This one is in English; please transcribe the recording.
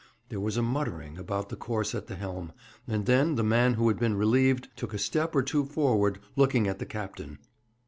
There was a muttering about the course at the helm, and then the man who had been relieved took a step or two forward, looking at the captain.